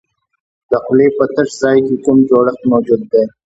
د خولې په تش ځای کې کوم جوړښت موجود دی؟